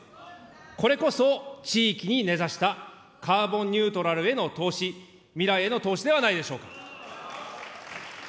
これこそ、地域に根ざしたカーボンニュートラルへの投資、未来への投資ではないでしょうか。